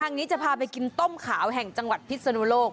นี้จะพาไปกินต้มขาวแห่งจังหวัดพิศนุโลก